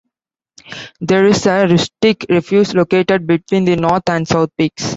There is a rustic refuge located between the north and south peaks.